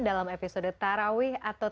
dalam episode tarawih atau